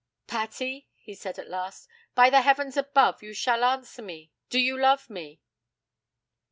'Patty,' he said at last. 'By the heavens above us you shall answer me. Do you love me?'